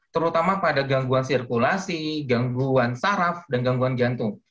terutama pada gangguan sirkulasi gangguan saraf dan gangguan jantung